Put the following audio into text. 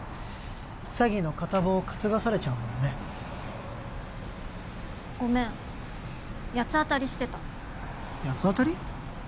詐欺の片棒を担がされちゃうもんねごめん八つ当たりしてた八つ当たり？